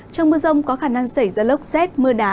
trong mưa rông có khả năng xảy ra lốc xét mưa đá